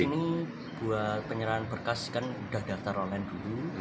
ini buat penyerahan berkas kan sudah daftar online dulu